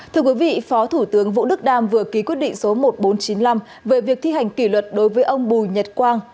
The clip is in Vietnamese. thưa quý vị phó thủ tướng vũ đức đam vừa ký quyết định số một nghìn bốn trăm chín mươi năm về việc thi hành kỷ luật đối với ông bùi nhật quang